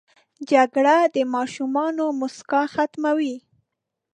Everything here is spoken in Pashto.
جګړه د ماشومانو موسکا ختموي